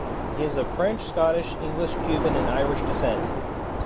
He is of French, Scottish, English, Cuban, and Irish descent.